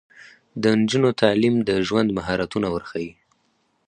د نجونو تعلیم د ژوند مهارتونه ورښيي.